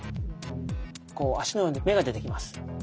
こう足のように芽が出てきます。